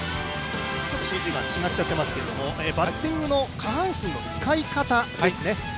ＣＧが違っちゃっていますけど、バッティングの下半身の使い方ですね。